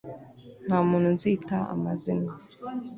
nta muntu nzita amazina